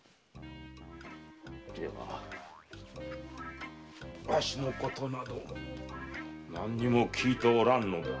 ではわしのことなど何にも聞いておらんのだな？